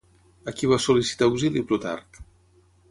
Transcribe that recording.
A qui va sol·licitar auxili Plutarc?